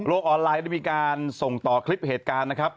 ออนไลน์ได้มีการส่งต่อคลิปเหตุการณ์นะครับ